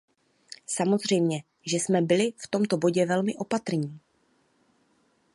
Samozřejmě, že jsme byli v tomto bodě velmi opatrní.